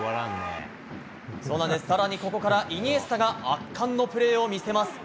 更に、ここからイニエスタが圧巻のプレーを見せます。